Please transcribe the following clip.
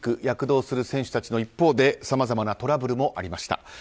躍動する選手たちの一方でさまざまなトラブルもありました。